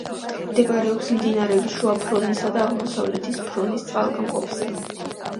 მდებარეობს მდინარეების შუა ფრონისა და აღმოსავლეთის ფრონის წყალგამყოფზე.